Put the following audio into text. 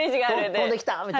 飛んできた！